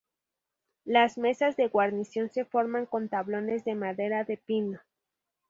Las mesas de guarnición se forman con tablones de madera de pino.